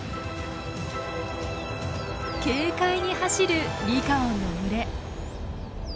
軽快に走るリカオンの群れ。